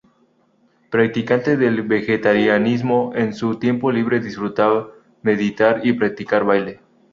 Practicante del vegetarianismo, en su tiempo libre disfruta meditar y practicar baile.